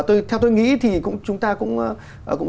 theo tôi nghĩ thì chúng ta cũng